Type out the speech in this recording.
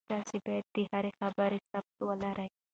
تاسي باید د هرې خبرې ثبوت ولرئ.